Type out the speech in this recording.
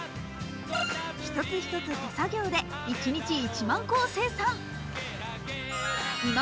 一つ一つ手作業で一日１万個を生産。